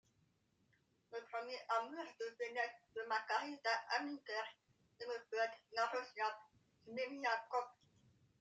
Le premier amour de jeunesse de Margarita Aliguer est le poète Iaroslav Smeliakov.